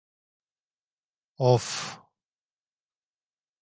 Of!